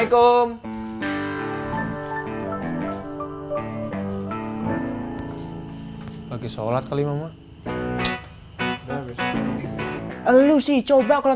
io kan mengerti kok